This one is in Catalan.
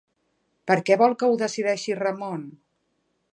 Per què vol que ho decideixi Ramon?